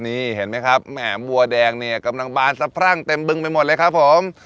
นี่เห็นไหมครับแหมบัวแดงเนี่ยกำลังบานสะพรั่งเต็มบึงไปหมดเลยครับผม